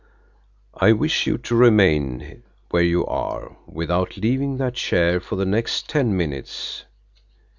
"I wish you to remain where you are, without leaving that chair, for the next ten minutes."